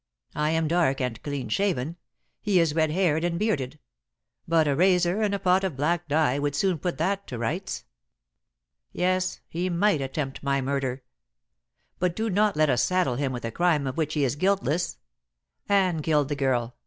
I am dark and clean shaven; he is red haired and bearded. But a razor and a pot of black dye would soon put that to rights. Yes, he might attempt my murder. But do not let us saddle him with a crime of which he is guiltless. Anne killed the girl.